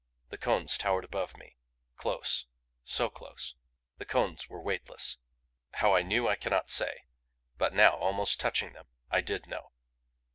The Cones towered above me close, so close. The Cones were weightless. How I knew I cannot say but now, almost touching them, I did know.